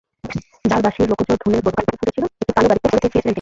যাঁর বাঁশির লোকজ ধুনে গতকাল ভোর ফুটেছিল, একটি কালো গাড়িতে করে ফিরছিলেন তিনি।